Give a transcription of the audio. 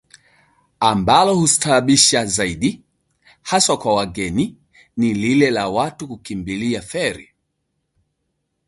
Ambalo hustaajabisha zaidi, haswa kwa wageni, ni lile la watu kukimbilia feri